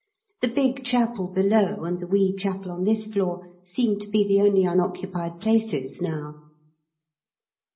The big Chapel below and the wee Chapel on this floor seem to be the only unoccupied places now.